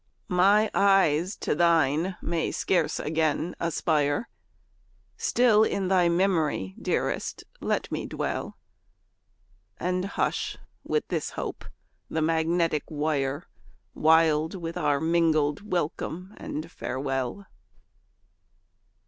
My eyes to thine may scarce again aspire Still in thy memory, dearest let me dwell, And hush, with this hope, the magnetic wire, Wild with our mingled welcome and farewell!